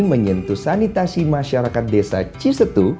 menyentuh sanitasi masyarakat desa cisetu